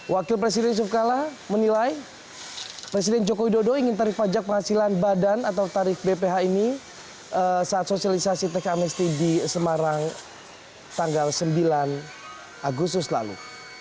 wakil presiden yusuf kala menilai presiden joko widodo ingin tarif pajak penghasilan badan atau tarif bph ini saat sosialisasi teks amnesti di semarang tanggal sembilan agustus lalu